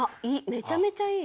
めちゃめちゃいい！